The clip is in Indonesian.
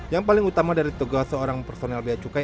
yang paling utama dari tugas seorang personel biaya cukai